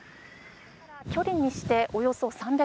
距離にしておよそ３００ｍ。